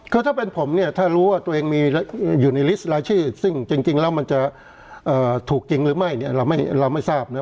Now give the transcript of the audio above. คือถ้าเป็นผมเนี่ยถ้ารู้ว่าตัวเองมีอยู่ในลิสต์รายชื่อซึ่งจริงแล้วมันจะถูกจริงหรือไม่เนี่ยเราไม่ทราบนะ